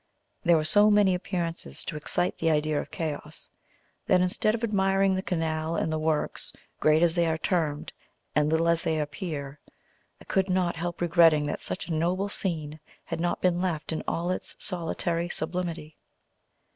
There were so many appearances to excite the idea of chaos, that, instead of admiring the canal and the works, great as they are termed, and little as they appear, I could not help regretting that such a noble scene had not been left in all its solitary sublimity.